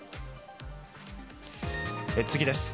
次です。